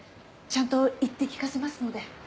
ちゃんと言って聞かせますので。